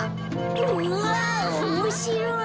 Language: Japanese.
うわおもしろい。